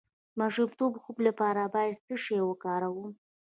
د ماشوم د خوب لپاره باید څه شی وکاروم؟